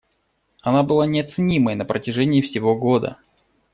Она была неоценимой на протяжении всего года.